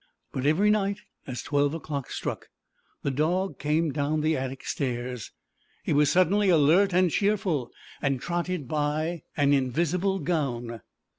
But every night as twelve o'clock struck the dog came down the attic stairs. He was suddenly alert and cheerful, and trotted by an invisible gown.